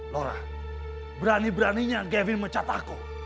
laura berani beraninya gavin mecat aku